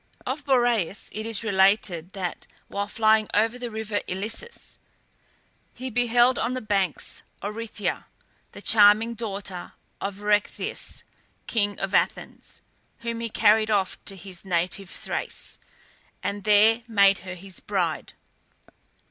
Of Boreas it is related that while flying over the river Ilissus, he beheld on the banks Oreithyia, the charming daughter of Erechtheus, king of Athens, whom he carried off to his native Thrace, and there made her his bride.